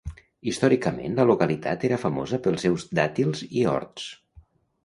Històricament, la localitat era famosa pels seus dàtils i horts.